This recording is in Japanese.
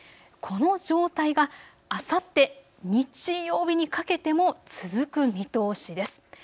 この状態があさって日曜日にかけても続く見通しです。